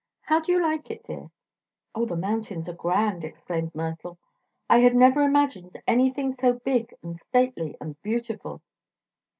How do you like it, dear?" "Oh, the mountains are grand!" exclaimed Myrtle. "I had never imagined anything so big and stately and beautiful."